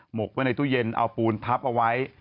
กไว้ในตู้เย็นเอาปูนทับเอาไว้